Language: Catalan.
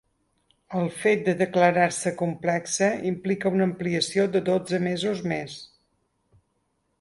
El fet de declarar-se complexa implica una ampliació de dotze mesos més.